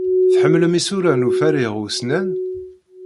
Tḥemmlem isura n uferriɣ ussnan?